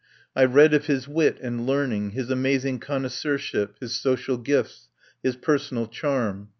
I read of his wit and learning, his amazing connoisseurship, his so cial gifts, his personal charm.